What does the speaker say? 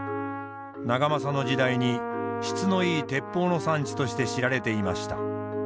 長政の時代に質のいい鉄砲の産地として知られていました。